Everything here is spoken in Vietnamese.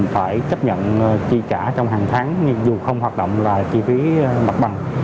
phải chấp nhận chi trả trong hàng tháng nhưng dù không hoạt động là chi phí mặt bằng